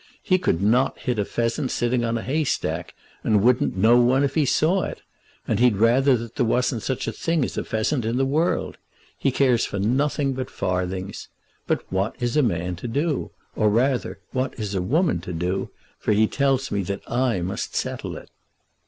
He could not hit a pheasant sitting on a haystack, and wouldn't know one if he saw it. And he'd rather that there wasn't such a thing as a pheasant in the world. He cares for nothing but farthings. But what is a man to do? Or, rather, what is a woman to do? for he tells me that I must settle it."